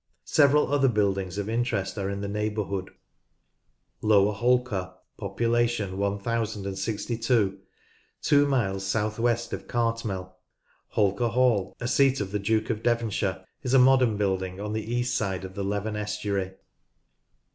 Several other buildings of interest are in the neighbourhood, (pp. 95, 116, 127, 128, 129, 131.) Lower Holker (1062), two miles south west of Cartmel. Holker Hall, a seat of the Duke of Devonshire, is a modern building on the east side of the Leven estuary.